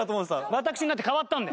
私になって変わったんで。